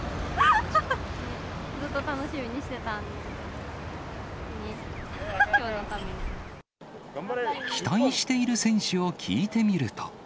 ずっと楽しみにしていたので、期待している選手を聞いてみると。